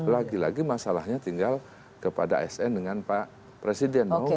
lagi lagi masalahnya tinggal kepada sn dengan pak presiden dong